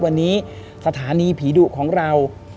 วันนี้สถานีผีดุของเรา